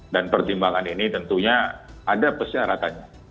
dan pertimbangan ini tentunya ada persyaratannya